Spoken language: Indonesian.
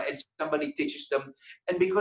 dan seseorang mengajar mereka